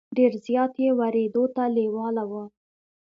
ډېر زیات یې ورېدو ته لېواله وو.